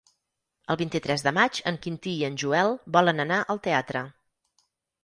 El vint-i-tres de maig en Quintí i en Joel volen anar al teatre.